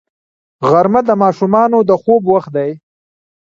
غرمه د ماشومانو د خوب وخت دی